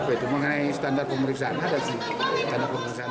itu mengenai standar pemeriksaan